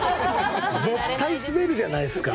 絶対にスベるじゃないですか。